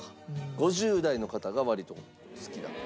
５０代の方が割とお好きだと。